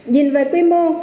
nhìn về quy mô